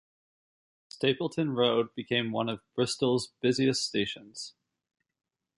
Stapleton Road became one of Bristol's busiest stations.